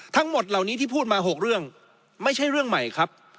ทั้งหมดเหล่านี้ที่พูดมา๖เรื่องไม่ใช่เรื่องใหม่ครับ